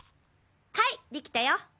はいできたよ。